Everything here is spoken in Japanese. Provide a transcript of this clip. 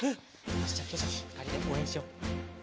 よしじゃあきほちゃんふたりでおうえんしよう。